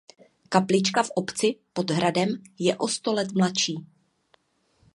Kaplička v obci pod hradem je o sto let mladší.